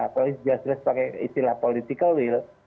apalagi jelas jelas pakai istilah political will